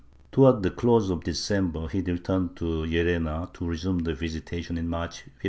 Towards the close of December he returned to Llerena, to resume the visitation in March, 1575.